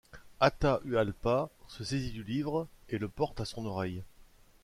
Atahualpa se saisit du livre et le porte à son oreille.